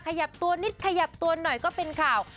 ขยับตัวนิดขยับตัวหน่อยก็เป็นข่าว